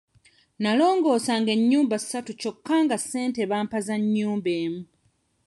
Nalongoosanga ennyumba ssatu kyokka nga ssente bampa za nnyumba emu.